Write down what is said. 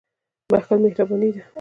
• بخښل مهرباني ده.